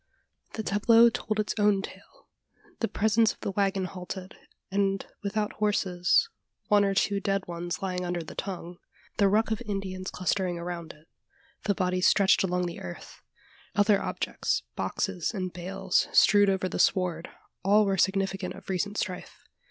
The tableau told its own tale. The presence of the waggon halted, and without horses one or two dead ones lying under the tongue the ruck of Indians clustering around it the bodies stretched along the earth other objects, boxes, and bales, strewed over the sward all were significant of recent strife.